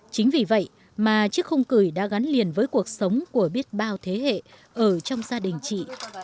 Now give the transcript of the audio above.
chính vì vậy mà chiếc khung cười đã gắn liền với cuộc sống của biết bao thế hệ ở trong gia đình chị